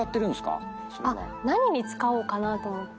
何に使おうかなと思って。